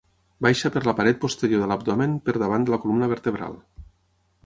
Baixa per la paret posterior de l'abdomen per davant de la columna vertebral.